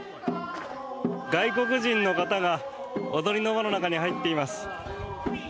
外国人の方が踊りの輪の中に入っています。